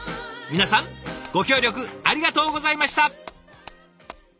皆さんご協力ありがとうございました！